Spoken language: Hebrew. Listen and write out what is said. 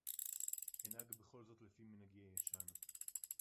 אנהג בכל־זאת לפי מנהגי הישן.